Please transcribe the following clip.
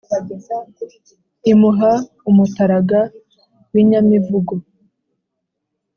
imuha umutagara w’inyamivugo